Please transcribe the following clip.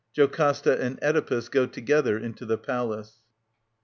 QocASTA and Oedipus go together into the Palace.